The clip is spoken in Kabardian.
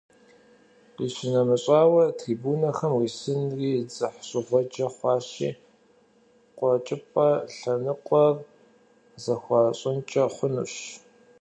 КъищынэмыщӀауэ, трибунэхэм уисынри дзыхьщӀыгъуэджэ хъуащи, «КъуэкӀыпӀэ» лъэныкъуэр зэхуащӀынкӀэ хъунущ.